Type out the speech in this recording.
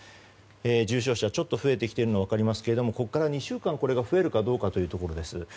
重症者、ちょっと増えてきているのが分かりますがここから２週間これが増えるかどうかです。